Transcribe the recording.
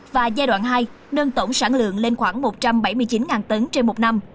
và giai đoạn hai đơn tổng sản lượng lên khoảng một trăm bảy mươi chín tấn trên một năm